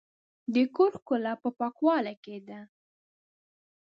د کور ښکلا په پاکوالي کې ده.